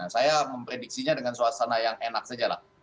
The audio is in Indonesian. saya memprediksinya dengan suasana yang enak saja lah